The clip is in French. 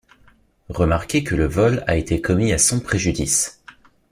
Remarquez que le vol a été commis à son préjudice.